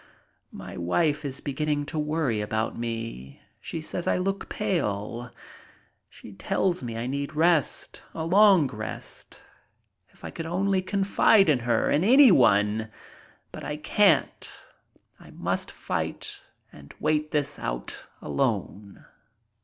My wife is beginning to worry about me. She says I look pale. She tells me I need a rest—a long rest. If I could only confide in her! In anyone! But I can't. I must fight and wait this out alone.